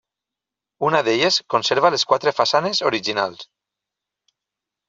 Una d'elles conserva les quatre façanes originals.